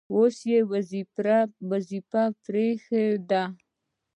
اوس یې وظیفه پرې ایښې ده.